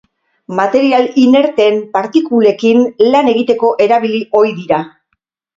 Material inerteen partikulekin lan egiteko erabili ohi dira.